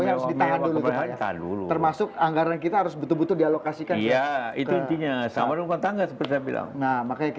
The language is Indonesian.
nanti kalau ekonomi lebih baik konsumsi lagi